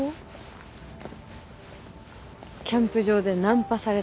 キャンプ場でナンパされた？